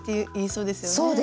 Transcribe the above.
そうですね。